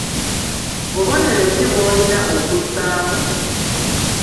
Bubonero ki bw'olina okussaamu?